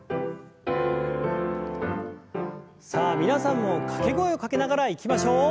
さあ皆さんも掛け声をかけながらいきましょう。